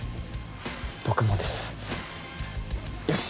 僕もですよし！